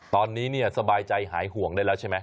ตอนนี้เนี่ยสบายใจหายห่วงได้แล้วใช่ไหม